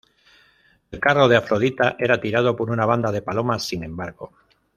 El carro de Afrodita era tirado por una bandada de palomas, sin embargo.